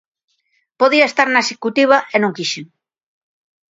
Podía estar na Executiva e non quixen.